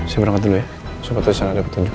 saya berangkat dulu ya sobat tuh disana ada petunjuk